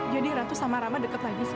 jadi ratu sama rahmat deket lagi sekarang